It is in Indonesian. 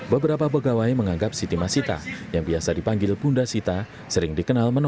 beberapa pegawai menganggap siti masita yang biasa dipanggil bunda sita sering dikenal menolak